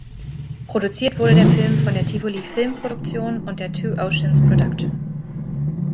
Produziert wurde der Film von der Tivoli Film Produktion und der Two Oceans Production.